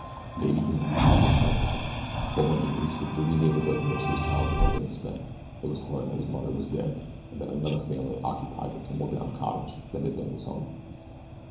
Maybe he might even be of help to her. But when he reached the gloomy neighborhood in which his childhood had been spent it was to learn that his mother was dead and that another family occupied the tumble down cottage that had been his home.